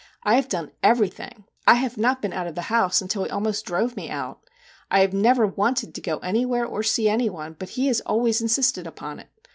I have done everything I have not been out of the house until he almost drove me out. I have never wanted to go anywhere or see any one ; but he has always insisted upon it.